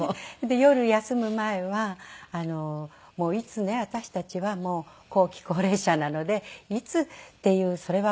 夜休む前はもういつね私たちは後期高齢者なのでいつっていうそれは。